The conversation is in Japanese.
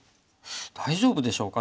大丈夫でしょうか？